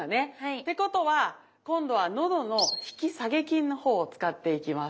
てことは今度は喉の引き下げ筋のほうを使っていきます。